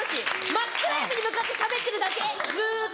真っ暗闇に向かってしゃべってるだけずっと。